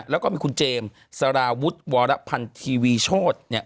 แล้วก็มีคุณเจมส์สารวุฒิวรพันธีวีโชธเนี่ย